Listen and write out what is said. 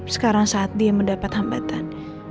sekarang saat dia mendapat hambatan